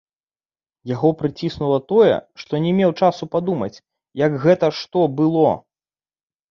Яго прыціснула тое, што не меў часу падумаць, як гэта што было.